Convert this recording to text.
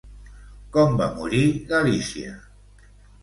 Com va morir Galizia?